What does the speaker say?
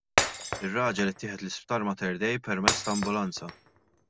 Ir-raġel ittieħed l-Isptar Mater Dei permezz ta' ambulanza.